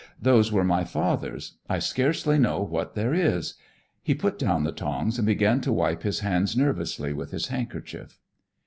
Those were my father's. I scarcely know what there is." He put down the tongs and began to wipe his hands nervously with his handkerchief.